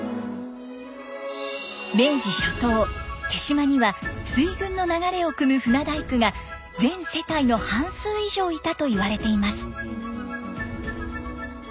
明治初頭手島には水軍の流れをくむ船大工が全世帯の半数以上いたといわれています。